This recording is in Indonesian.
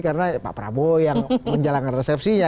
karena pak prabowo yang menjalankan resepsinya